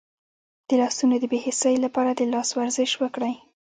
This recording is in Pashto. د لاسونو د بې حسی لپاره د لاس ورزش وکړئ